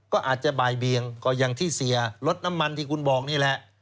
ก็อาจจะบ่ายเบียงก็อย่างที่เสียรถน้ำมันที่คุณบอกนี่แหละ